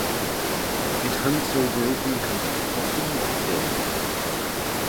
It hunts over open country, often by day.